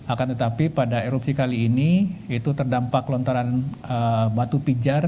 akan tetapi pada erupsi kali ini itu terdampak lontaran batu pijar